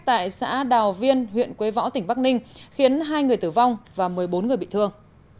tại xã đào viên huyện quế võ tỉnh bắc ninh khiến hai người tử vong và một mươi bốn người bị thương